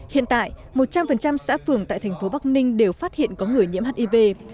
hiện tại một trăm linh xã phường tại thành phố bắc ninh đều phát hiện có người nhiễm hiv